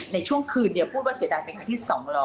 ในช่วงคืนเดียวพูดว่าเสียดายเป็นครั้งที่๒๐๐